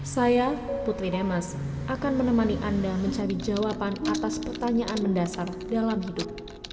saya putri demas akan menemani anda mencari jawaban atas pertanyaan mendasar dalam hidup